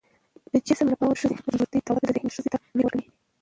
د جسم له پلوه د ښځې د کمزورۍ دود ذهنيت ښځې ته ويره ورکړې